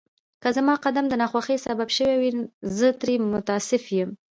که زما اقدام د ناخوښۍ سبب شوی وي، زه ترې متأسف یم.